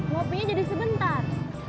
kopinya jadi sebentar